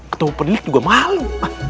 ketemu penilik juga malu